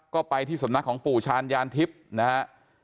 ก็ไปที่ศนักของตัวฉานยานทิบนะฮะ